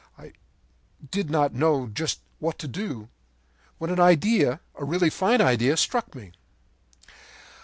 I did not know just what to do, when an idea, a really fine idea, struck me.